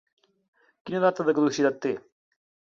Quina data de caducitat té?